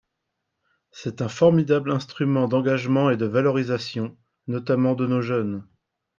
C’est un formidable instrument d’engagement et de valorisation, notamment de nos jeunes.